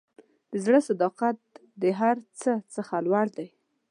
د زړه صداقت د هر څه څخه لوړ دی.